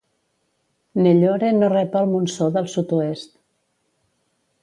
Nellore no rep el monsó del sud-oest.